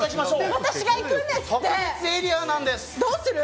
私が行くんですって！